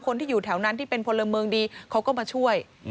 คนที่อยู่แถวนั้นที่เป็นพลเมืองดีเขาก็มาช่วย